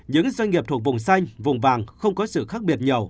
những doanh nghiệp thuộc vùng xanh vùng vàng không có sự khác biệt nhiều